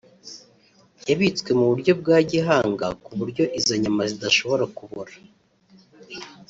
yabitswe mu buryo bwa gihanga ku buryo izo nyama zidashobora kubora